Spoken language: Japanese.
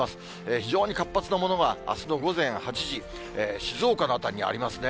非常に活発なものがあすの午前８時、静岡の辺りにありますね。